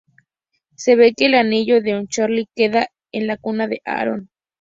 Se ve que el anillo de un Charlie queda en la cuna de Aaron.